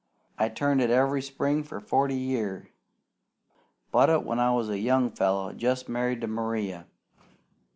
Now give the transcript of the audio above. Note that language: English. I've turned it every spring for forty year. Bought it when I was a young fellow, jest married to Maria.